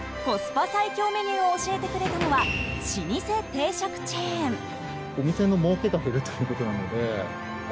コスパ最強メニューを教えてくれたのは老舗定食チェーン。